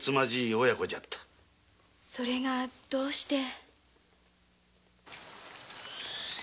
それがどうして？